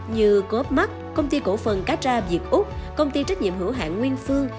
như cốp mắc công ty cổ phần cá tra việt úc công ty trách nhiệm hữu hạn nguyên phương